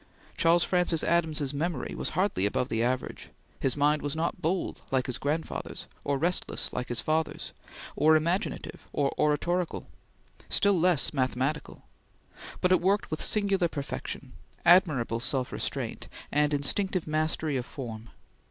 Charles Francis Adams's memory was hardly above the average; his mind was not bold like his grandfather's or restless like his father's, or imaginative or oratorical still less mathematical; but it worked with singular perfection, admirable self restraint, and instinctive mastery of form.